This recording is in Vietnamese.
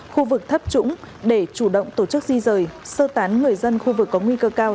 khu vực thấp trũng để chủ động tổ chức di rời sơ tán người dân khu vực có nguy cơ cao